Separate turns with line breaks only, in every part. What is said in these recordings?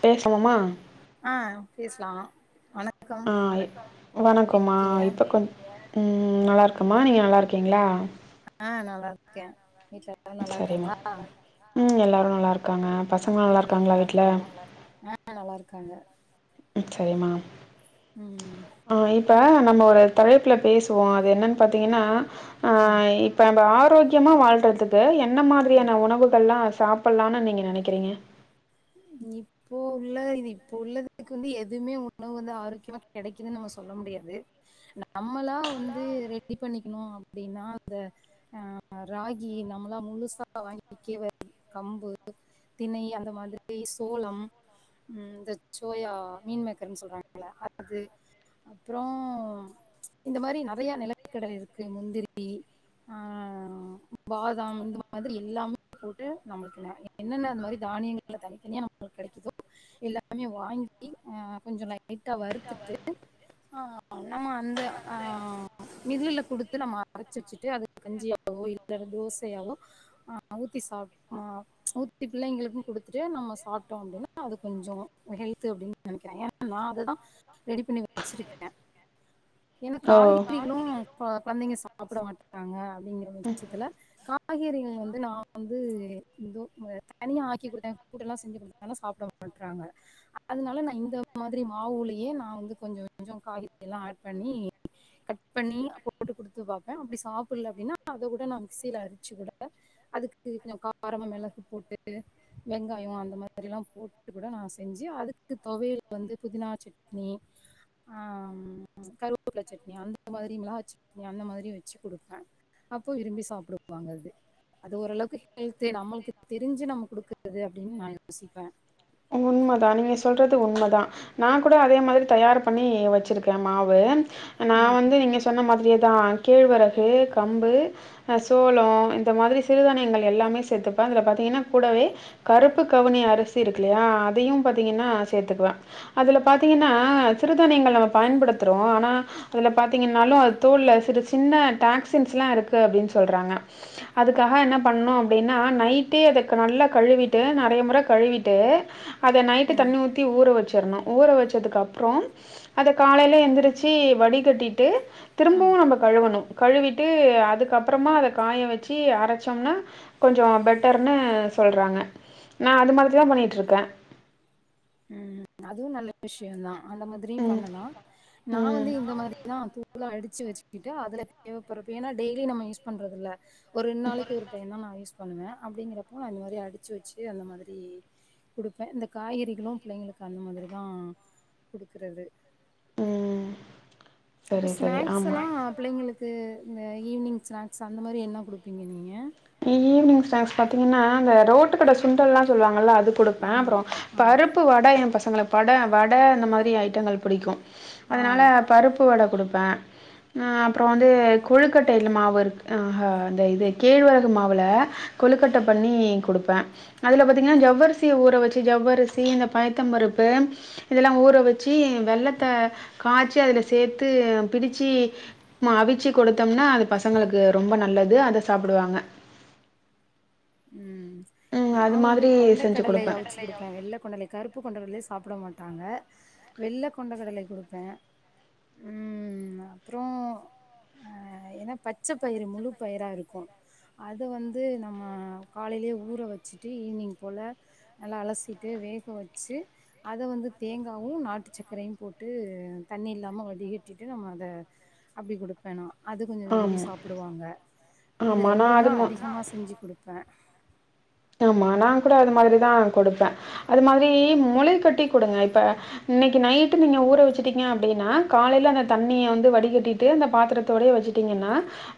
பேசவமா
ஆ பேஸ்லா ஆனக்
ஆ வணக்கொமா இப்போ கொஞ் அ நல்லாருக்கம்மா நீங்க நல்லாருக்கீங்களா
ஆ நல்லா இருக்கே வீட்ல எல்லாரு
சரிம்மா
நல்லாருக்காங்களா
ம் எல்லாரு நல்லா இருக்காங்க பசங்களா நல்லா இருக்காங்களா வீட்ல
ஆ நல்லாருக்காங்க
சரிம்மா
ம்
ஆ இப்ப நம்ம ஒரு தலைப்புல பேசுவோ அது என்னன் பாத்தீங்கன்னா ஆ இப்ப நம்ப ஆரோக்கியமா வாழ்றதுக்கு என்ன
ம்.
மாதிரியான உணவுகல்லா சாப் ப்பலானு நீங்க நெனைக்கிறீங்க
நீப் இப்போ உள்ள இது இப்போ உள்ளதுக்கு வந்து எதுவ்மே உணவு வந்து ஆரோக்கியமா கெடைக்குதுன்னு நம்ம சொல்ல முடியாது நம்மளா வந்து ரெடி பண்ணிக்கினு அப்டின்னா அந்த ஆ ராகி நம்மளாம் முழுசா வாங்கிக் கேழ்வரகு கம்பு திணை அந்த மாதிரி சோளம் ம் இந்த சோயா மீன்மேக்கர்ன்னு சொல்றாங்கள அது அப்புறோ இந்த மாரி நறைய நெலக்கடல இருக்கு முந்திரி ஆ பாதாம் இந்த மாதிரி எல்லாமே போட்டு நம்மளுக்கு என்னென்ன அந்த மாதிரி தானியங்கள்லா தனித்தனியா நமளுக்கு கெடைக்குதோ எல்லாமே வாங்கி அ கொஞ்சோ லைட்டா வறுத்துட்டு ஆ நம்ம அந்த ஆ மில்லுல குடுத்து நம்ம அரைச்சு வச்சுட்டு அது கஞ்சியாவோ இல்ல தோசையாவோ ஆ ஊத்தி சாப் ஆ ஊத்தி புள்ளங்களுக்கூ குடுத்துட்டு நம்ம சாப்ட்டோ அப்டின்னா அது கொஞ்சோ ஹெல்து அப்டின்னு நெனைக்கிறே ஏன்னா நா அததா ரெடி பண்ணி வச்சிருக்கே ஏன்னா
ஓ
காய்கறிகளு கொழந்தைங்க சாப்ட மாட்றாங்க அப்டிங்கிற பட்சத்துல காய்கறிகள் வந்து நா வந்து இந்தோ தனியா ஆக்கி குடுத்தே கூட்டு எல்லா செஞ்சு குடுத்தாலு சாப்ட மாட்றாங்க அதனால நா இந்த மாதிரி மாவுலயே நா வந்து கொஞ்சோ கொஞ்சோ காய்கறி எல்லா ஆட் பண்ணி கட் பண்ணி போட்டு குடுத்து பாப்பே அப்டி சாப்புல்ல அப்டின்னா அத கூட நா மிக்சியில அரச்சு கூட அதுக்கு கொஞ்சோ காரமா மெளகு போட்டு வெங்காயோ அந்த மாரி எல்லா போட்டு கூட நாசெஞ்சி அதுக்கு தொவையல் வந்து புதினா சட்னி ஆம் கருவேப்ள சட்னி அந்த மாரி மிளகா சட்னி அந்த மாரி வச்சு குடுப்பே அப்போ விரும்பி சாப்புடுவாங்க அது அது ஓரளவுக்கு ஹெல்து நம்மளுக்கு தெரிஞ்சு நம்ம குடுக் கறது அப்டின்னு நா யோசிப்ப
உண்மதா நீங்க சொல்றது உண்மதா நா கூட அதே மாரி தயார் பண்ணி வச்சிருக்கே மாவு நா
ம்
வந்து நீங்க சொன்ன மாதிரியேதா கேழ்வரகு கம்பு அ சோளோ இந்த மாதிரி சிறுதானியங்கள் எல்லாமே சேத்துப்ப அதுல பாத்தீங்கன்னா கூடவே கருப்பு கவுனி அரிசி இருக்குல்லையா அதையு பாத்தீங்கன்னா சேத்துக்குவ அதுல பாத்தீங்கன்னா சிறுதானியங்கள் நம்ம பயன்படுத்துறோ ஆனா அதுல பாத்தீங்கன்னாலு அது தோள்ள சிறு சின்ன டாக்சின்ஸ்லா இருக்கு அப்டின் சொல்றாங்க அதுக்காக என்ன பண்ணு அப்டின்னா நை ட்டே அத நல்லா கழுவிட்டு நறைய முற கழுவிட்டு அத நைட்டு
ம்
தண்ணி ஊத் ஊத்தி ஊற வச்சிர்ணு ஊற வச்சதுக்கு அப்றோ அத காலைல எந்திரிச்சி வடி கட்டிட்டு
ம்
திரும்பவு நம்ப கழுவணு கழுவிட்டு அதுக்கப்புறமா அத காய வச்சு அரைச்சோம்னா கொஞ்சோ பெட் டர்னு சொல்றாங்க நா அது மாரிதா பண்ணிட்டு இருக்கே
ம் அதுவு நல்ல விஷ்யோந்தா அந்த மாதிரியு
ம்
பண்ணலா நா வந்து
ம்
இந்த மாரிதா புலா அடிச்சு வச்சிகிட்டு அதுல தேவைப்படுறபப்போ ஏனா டெய்லியு நம்ம யூஸ் பண்றதுல்ல ஒரு ரெண் நாளைக்கி ஒரு டைம் தா நா யூஸ் பண்ணுவ அப்படிங்கிறப்போ அந்த மாரி அடிச்சு வச்சு அந்த மாதிரி கொடுப்பே இந்த காய்கறிகளு பிள்ளைங்களுக்கு அந்த மாதிரி தா கொடுக்குறது
ம்
இப்ப
சரி சரி
ஸ்நாக்ஸ்
ஆமாம்
எல்லா பிள்ளைங்களுக் இது இந்த ஈவி்னிங் ஸ்நாக்ஸ் அந்த மாரி என்ன கொடுப்பீங்க நீங்க
ஈவினிங் ஸ்நாக்ஸ் பாத்தீங்ன்னா இந்த ரோட்டு கட சுண்டல்லா சொல்வாங்கல்ல அது கொடுப்பே
ஆமா
அப்புறோ
ஆ
பருப் ப்பு வட எ பசங்ள பட வட இந்த மாதிரி ஐட்டங்கள் புடிக்கு
ஆ
அதனால பருப்பு வட குடுப்பே நா அப்புறோ வந்து கொழுக்கட்டைல மாவு ந்த இது கேழ்வர கு மாவள கொழுக்கட்ட பண்ணி கொடுப்பே அதுல பாத்தீங்கன்னா ஜவ்வர்ஸ் சிய ஊற வச்சு ஜவ்வரிசி இந்த பயத்தம் பருப்பு இதெல்லா ஊற வச்சு வெள்ளத்த காச்சி அதுல சேத்து பிடிச்சி ம அவிச்சு கொடுத்தோம்னா அது பசங்களுக்கு ரொம்ப நல்லது அத சாப்டுவாங்க
ம்
ம் அது
நாவந்து
மாதிரி
கொண்ட
செஞ்சு
கடலை
குடுப்பே
அவிச்சு கொடுப் ப வெள்ள கொண்ட லை கருப்பு கொண்ட கட்லை சாப்ட மாட்டாங்க வெள்ள கொண்ட கடலை கொடுப்பே ம் அப்புறோ ஏன்னா பச்ச பயிறு முழு பயிரா இருக்கு அது வந்து நம்ம காலையிலே ஊற வச்சுட்டு ஈவினிங் போல நல்லா அலசிட்டு வேக வச்சு அத வந்து தேங்காவு நாட்டு சக்கரையு போட்டு தண்ணி இல்லாம வடிகட்டிட்டு நம்ம அத அப்டி கொடு பேணா அது கொஞ்சோ விரும்பி
ஆமா
சாப்டுவாங்க இது
ஆமா நா
ரெண்டுந்தா
அது மா
அதிகமா செஞ்சு கொடுப்பே
ஆமா நா கூட அது மாதிரிதா கொடுப்பே அது மாதிரி மொளை கட்டி கொடுங்க இப்ப இன்னைக்கி நைட்டு நீங்க ஊற வச்சுட்டிங்க அப்டின்னா காலைல அந்த தண்ணிய வந்து வடிகட்டிட்டு அந்த பாத்திரத்தோடே வச்சு டீங்கன்னா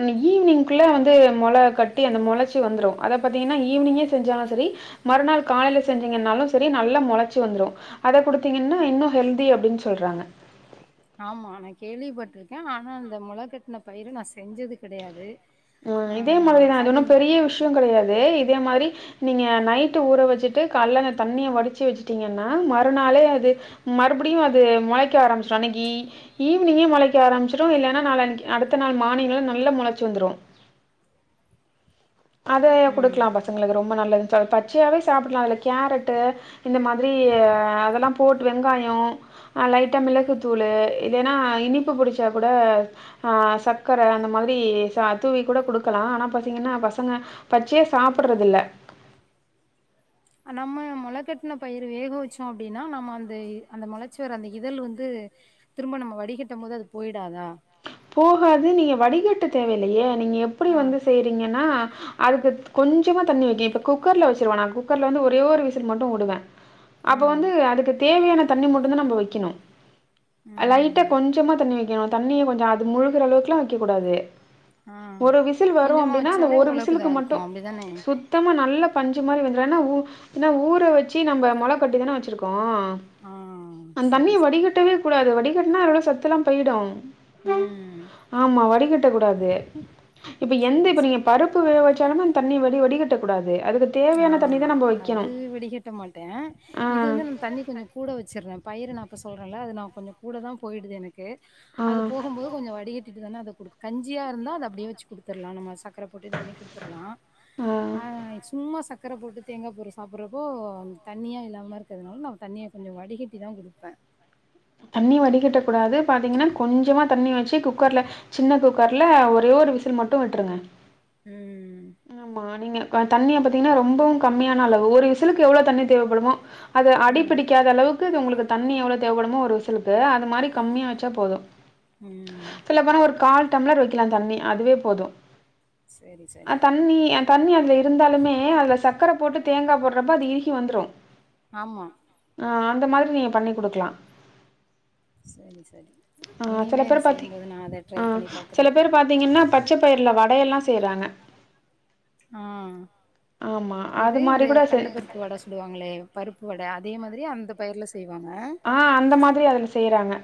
அன் ஈவ்னிங் குள்ள வந்து மொள கட்டி அந்த மொளச்சு வந்துரு அத பாத்தீங்கன்னா ஈவினிங்கே செஞ்சாலு செரி மறுநாள் காலைல செஞ்சிங்கன்னாலு செரி நல்லா மொளச்சு வந்துரு அத குடுத்தீங்கன்னா இன்னு ஹெல்தி அப்டின் சொல்றாங்க
ஆமா நா கேள்விப்பட்டிருக்கே ஆனா இந்த மொள கட்டுன பயிரு நா செஞ்சது கிடயாது
மா இதே மாரிதா இது ஒன்னு பெரிய விஷ்யோ கெடயாது இதே மாரி நீங்க நைட்டு் ஊற வச்சுட்டு கால்ல அந்த தண்ணிய வடிச்சு வச்சட்டீங்கன்னா மறுநாளே அது மறுபடியு அது மொளைக்க ஆரம்பிச்ரு அன்னைக்கி ஈவினிங்கே மொளைக் க ஆரம்பிச்சிரு இல்லென்னா நாளான்னிக் அடுத்த நாள் மார்னில நல்ல மொளச்சி வந்துரு அதையே
ம்
கொடுக்கலா பசங்களுக்கு ரொம்ப நல்லதுன்னு சொல் பச்சையாகவே சாப்பிட்லா அதில கேரட்டு இந்த மாதிரி அதெல்லா போட் வெங்காயோ அ லைட்டா மிளகு தூளூ இல்லேன்னா இனிப்பு புடிச்சா கூட ஆ சக்கர அந்த மாதிரி தூவி கூட குடுக்கலா ஆனா பாத்தீங்கன்னா பச சங்க பச்சியா சாப்பிடறது இல்ல
[unintelligible] நம்ம மொளக்கட்டின பயிர் வேக வச்சோ அப்டின்னா நம்ம அந்த அந்த மொளச்சுவர அந்த இதழ் வந்து திரும்ப நம்ம வடிகட்டம் போது அது போயிடாதா
போகாது நீங்க வடிகட்ட தேவலையே நீங்க எப்டி
ஆ
வந்து செய்யறீங்கன்னா அதுக்கு கொஞ்சமா தண்ணி வைக்க இப்ப குக்கர்ல வச்சிருவ நா குக்கர்ல வந்து ஒரே ஒரு விசில் மட்டு வுடுவே
ஆ
அப்போ வந்து அதுக்கு தேவையான தண்ணி மட்டுந்தா நம்ம வைக்கணு லைட்டா
ம்
கொஞ்சமா தண்ணி வைக்கணு தண்ணிய கொஞ்சோ அது முழுகுற அளவுக்குலா வைக்கக் கூடாது
ஆ
ஒரு விசில் வரு
கொஞ்சமா
அப்டினா அந்த
வச்சாலே
ஒரு
ஓரளவுக்கு இதா
விசிலுக்கு மட்டு
இருக்கு அப்டிதானே
சுத் தமா நல்லா பஞ்சு மாரி வந்துரு ஏனா ஊ ஏனா ஊற வச்சு நம்ப மொள கட்டி தான வச்சிருக்கோ
ஆ செரி
அந்தண்ணிய
செரி
வடிகட்டவே கூடாது வடிகட்டினா உள்ள சத்து எல்லா போய்டு
ம்.
ஆமா வடிகட்ட கூடாது இப்ப எந்த
சரி,
இப்ப நீங்க
சரி.
பருப் பு வேக வச்சாலுமே அந்த தண்ணிய வடி வடிகட்டக்கூடாது அதுக்கு
ஆ
தேவையான தண்ணி தான் நம்ம
அது
வைக்கணும்.
வடிகட்ட மாட்டே
ஆ,
இது வந்து நா தண்ணி கொஞ்சோ கூட வச்சிட்றே பயிர நா இப்ப சொல்றேன்ல அது நா கொஞ்சோ கூட தா போயிடுது எனக் கு
ஆ,
அது போகும்போது கொஞ்சோ வடிகட்டிட்டு தான அத குடுக் கஞ்சியாருந்தா அது அப்டியே வச்சு குடுத்துலா நம்ம சக் கர போட்டு இது பண்ணி குடுத்துடலா
ஆ.
சமா சக்கர போட்டு தேங்காய் பொறி சாப்ட்டுறப்போ தண்ணியா இல்லாம இருக்கிறதுனால நம்ம தண்ணிய கொஞ்சோ வடிகட்டி தா குடுப்பே
தண்ணி வடிகட்டக் கூடாது பாத்தீங்கன்னா கொஞ்சமா தண்ணி வச்சு குக்கர்ல சின்ன குக் கர்ல ஒரே ஒரு விசில் மட்டு விட்ருங்க
ம்
ஆமா நீங்க தண்ணிய பாத்தீங்கன்னா ரொம்பவு கம்மியான அளவு ஒரு விசிலுக்கு எவ்ளோ தண்ணி தேவப்படுமோ அது
ம்.
அடிபிடிக்காத அளவுக்கு இது உங்களுக்கு தண்ணி எவ்ளோ தேவைப்படுமோ ஒரு விசிலுக்கு அது மாரி கம்மியா வச்சா போது
ம்.
சொல்ல போனா ஒரு கால் டம்ளர் வைக்கலா தண்ணி அதுவே போது
சரி,
அ
சரி.
தண்ணி தண்ணி அதுல இருந்தாலுமே அதுல சக்கர போட்டு தேங்காய் போடுறப்ப அது இறுகி வந்துரு
ஆமா
ஆ அந்த மாரி நீங்க பண்ணி் குடுக்லா
சரி சரி
ஆ சில
இனிமே
பேர் பாத்தீ
செய்யும்போது நா அத ட்ரை
ஆ
பண்ணி பாக்குறே
சில பேர் பாத்தீங்கன்னா பச்ச பயிர்ல வடையெல்லா செய்றாங்க
ஆ
ஆமா அது
இது
மாரி
இந்த
கூட செ
கள்ளப்பருப் ப்பு வட சுடுவாங்களே பருப்பு வட அதே மாதிரி அந்த பயிரில செய்வாங்க
அந்த மாதிரி அதுல செய்றாங்க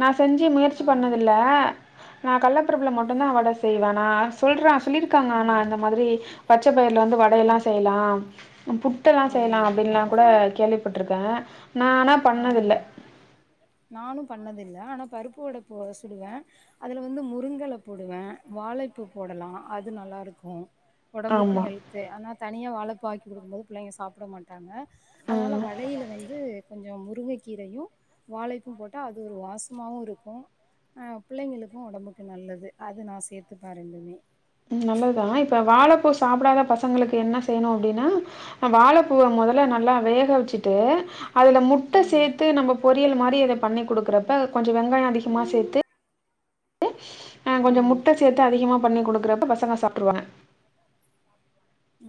நா செஞ்சு முயற்சி
ஆ
பண்ணதில்ல நா கள்ளப்பருப்புல மட்டுந்தா வட செய்வே நா சொல்ற சொல்லிருக்காங்க
ஆ
ஆனா அந்த மாதிரி பச்ச பயிர்ல வந்து வடயெல்லா செய்லா புட்டெல்லா
ஆ
செய்யலா அப்டின்லா கூட கேள்வி போட்ருக்கே நா ஆனா
ஆ
பண்ணதில்ல
நானு பண்ணதில்ல ஆனா பருப்பு வட போ சுடுவே அதுல வந்து முருங்கெல போடுவே வாழைப்பூ போடலா அது நல்லாருக்கு உடம்புக்கு
ஆமா
ஹெல்த் ஆனா தனியாக வாழைப்பூ ஆக்கி குடுக்கும் போது பிள்ளைங்க சாப்ட மாட்டாங்க
ம்
அதனால வடையில வந்து கொஞ்சோ முருங்க கீரையு வாழைப்பூ போட்டா அது ஒரு வாசமாவுருக்கு அ பிள்ளைங்களுக்கு உடம்புக்கு நல்லது அது நா சேத்துக்ப்பே ரெண்டுமே
நல்லதுதா இப்ப வாழைப்பூ சாப்டாத பசங்களுக்கு என்ன செய்யணு அப்டின்னா வாழைப்பூவ முதல்ல நல்லா வேக வச்சுட்டு அதுல முட்ட
ம்
சேத்து நம்ம பொரியல் மாரி இத பண்ணி குடுக்குறப்ப கொஞ்சோ வெங்காயோ அதிகமா சேத்து அ கொஞ்சோ
ம்
முட்ட சேத்து அதிகமா பண்ணி குடுக்குறப்ப பசங்க சாப்ட்றுவாங்க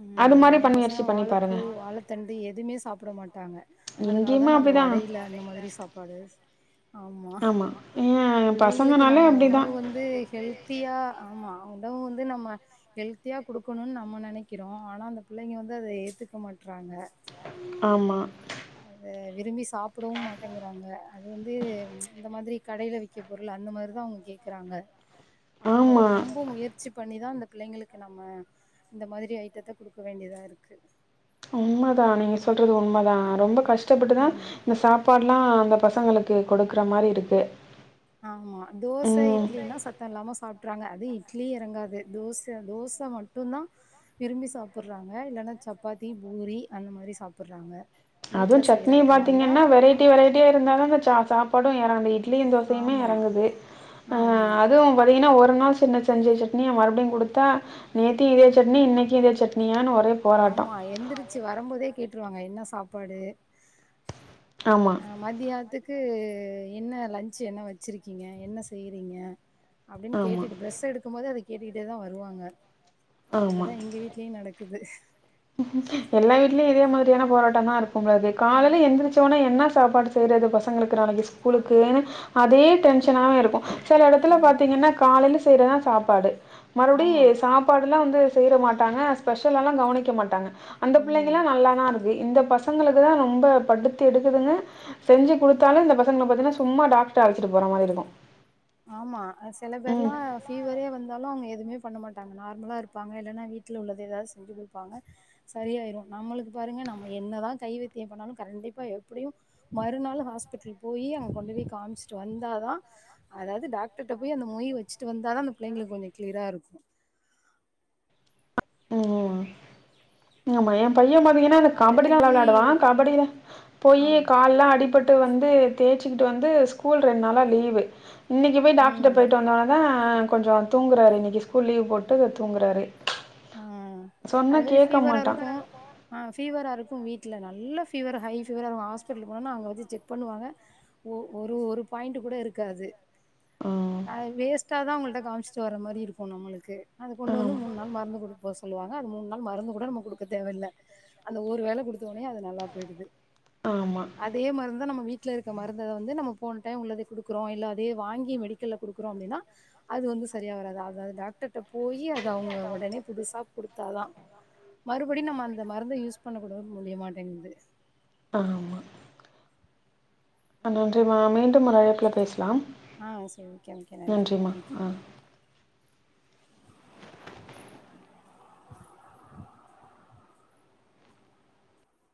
ம் எ பசங்க வாழைப்பூ வாழைத்தண்டு எதுமே சாப்ட மாட்டாங்க அதனாலதா
இங்கேயுமே
நா அந்த
அப்டிதான்.
வடைல அந்த மாரி சாப்பாடு ஆமா
ஏன்
பிள்ளைங்களுக்கு
பசங்கனாலே
நம்ம
அப்டிதான்.
உணவு வந் து ஹெல்த்தியா ஆமா உணவு வந்து நம்ம ஹெல்த்தியா குடுக்கணுனு நம்ம நினைக் கிறோ ஆனா அந்த பிள்ளைங்க வந்து அத ஏத்துக்க மாட்றாங்க
ஆமா
அத விரும்பி சாப்டவு மாட்டேங்குறாங்க அது வந்து இந்த மாதிரி கடையில விக் ற பொருள் அந்த மாரிதா அவுங்க கேக்குறாங்க நம்ம
ஆமா.
ரொம்ப முயற் ச்சி பண்ணிதா இந்த பிள்ளைங்களுக்கு நம்ம இந்த மாதிரி ஐட்டத்த குடுக்க வேண்டியதா இருக்கு
உண்மதா நீங்க சொல்றது உண்மதா ரொம்ப கஷ்டப்பட்டுதா
ம்
இந்த சாப்பாட்லா அந்த பசங்களுக்கு கொடுக்ற மாரி இருக்கு
ஆமா தோச
ம்.
இட்லினா சத்தோ இல்லாம சாப்ட்றாங்க அது இட்லி எறங்காது தோச தோச மட்டு ந்தா விரும்பி சாப்புட்றாங்க இல்லன்னா சப்பாத்தி பூரி அந்த மாரி சாப்புட்றாங்க
அதுவு
வீட்ல செய்ற
சட்னி
ஐட்டமா இருந்தா
பாத்திங்கன்னா வெரைட் டி வெரைட்டியா இருந்தா தாங்க ச சாப்பாடு எறங்குது இட்லியு தோசையுமே
ஆமா
எறங்குது ஆ
ஆமா
அதுவு பாத்திங்ன்னா ஒரு நாள் சின்ன செஞ்ச சட்னி மறுப்டியு குடுத்தா நேத்தி இதே சட்னி இன்னைக்கு இதே சட்னியானு ஒரே போராட்டம்.
ஆமா எந்ரிச்சு வரும்போதே கேட்டுருவாங்க என்ன சாப்பாடு
ஆமா
மத்யானத்துக்கு என்ன லன்ச் என்ன வச்சிருக்கீங்க என்ன செய்றீங்க அப்டின்னு
ஆமா,
கேட்டுட்டு ப்ர்ஸ் எடுக்கும்போதே அத கேட்டுகிட்டே தா வருவாங்க
ஆமா.
அப்டிதா எங்க வீட்லயு நடக்கு க்குது
எல்லா வீட்லயு இதே மாதிரியான போராட்டோதா இருக்கு போலருக்கு
ஆ
கால்ல எந்ரிச்ச ஒட்னே என்ன சாப்பாடு செய்யது பசங்களுக்கு நாளைக்கு ஸ்கூலுக்கு
ஆமா
அதே டென்ஷனாவே இருக்கு சில
ஆ
எடத்துல பாத்திங்கன்னா காலையில செய்யறதா சாப்பாடு மறுப்டி
ஆமா
சாப்பாடுல்லா வந்து செய்ற மாட்டாங்க ஸ்பெஷலல்லா கவனிக்க மாட்டாங்க அந்த
ம்
பிள்ளைங்களா நல்லாதா இருக் இந்த பசங்களுக்குதா ரொம்ப படுத்து எடுக்குதுங்க செஞ்சு குடுத்தாலு இந்த பசங்க பாத்திங்ன்னா சும்மா டாக்டர்ட்ட அலச்சிட்டு போற மாரிஇருக்கு
ஆமா செல பேர்லா ஃபீவரே வந் இருந்தாலு அவுங்க எதுமே பண்ண மாட்டாங்க நார்மலா இருப்பாங்க இல்லன்னா வீட்ல உள்ளது ஏதாவ்து செஞ்சு குடுப்பாங்க சரியாயிரு நம்ளுக்கு பாருங்க நம்ம என்னதா கைவத்தியோ பண்ணாலு கண்டிப்பா எப்டியு மறுநாள் ஹாஸ்பிட்டல் போயி் அங்க கொண்டு போய் காமிச்ட்டு வந்தாதா அதாவ்து டாக்டர்ட்ட போய் அந்தமொய் வச்சுட்டு வந்தாதா அந்த பிள்ளைங்ளுக்கு கொஞ்சோ க்ளியரா இருக்கு
ம் ஆமா எ பைய பா்த்திங்கன்னா அந்த
அதே
கபடில்லா நல்லா
மாதிரி
வெளையாடுவா கபடிலா போய்
ஆ
கால்லா அடிபட்டு வந்து தேச்சிக்கிட்டு வந்து ஸ்கூல் ரெண்டு நாளா லீவு இன்னைக்கு போய் டாக்டர்ட்ட
ம்
பொய்டு வந்தோனேதா கொஞ்சோ தூங்ராரு இன்னைகு ஸ்கூல் லீவ் போட்டு துங்குராரு
ம் அதே மாரி ஃபீவரா
மாட்டான்
இருக்கு ஆ ஃபீவரா இருக்கு வீட்ல நல்ல ஃபீவர ஹை ஃபீவரா இருக்கு ஹாஸ்பிட்லு போனோனா அங்க வச்சி செக் பண்ணுவாங்க ஒரு ஒரு பாய்ண்ட்ட்டுகூட இருக்காது
ம்
வேஸ்ட்டாதா அவங்கள்ட காம்ச்ட்டு வர்ற மாரி இருக்கு நம்மள்க்கு அது கொண்டு வந்து
ஆமா
மூணு நாள் மருந்து குடுக்க சொல்லுவாங்க அது மூண் நாள் மருந்து கூட நம்ம கொடுக்க தேவல்ல அந்த ஒரு வேல குடுத்த ஒட்னே அது நல்லா பொய்டுது
ஆமா
அதே மருந்துதா நம்ம வீட்ல இருக்க மருந்த அத வந்து நம்ம போன டைம் உள்ளத குடுக்குறோ இல்ல அதே வாங்கி மெடிக்கல்ல குடுக்குறோ அப்டின்னா அது வந்து சரியா வராது அத டாக்டர்ட போய் அது அவுங்க ஒடனே புதுசா குடுத்தாதா மறுபடியு நம்ம அந்த மருந்த யூஸ் பண்ண கூட முடியமாட்டேங்குது
ஆமா அ நன்றிம்மா மீண்டும் ஒரு அழைப்புல பேசலா
ஆ சரி ஓகே ஓகே நன்றி
நன்றிம்மா
தேங்க்யூ
ஆ